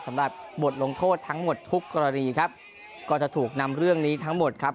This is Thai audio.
สำหรับบทลงโทษทั้งหมดทุกกรณีครับก็จะถูกนำเรื่องนี้ทั้งหมดครับ